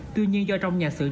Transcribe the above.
tuy nhiên do trong nhà sưởng